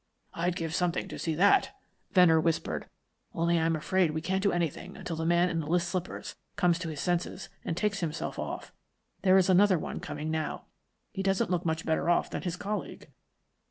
"I'd give something to see that," Venner whispered. "Only I am afraid we can't do anything until the man in the list slippers comes to his senses and takes himself off. There is another one coming now. He doesn't look much better off than his colleague."